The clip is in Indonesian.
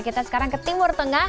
kita sekarang ke timur tengah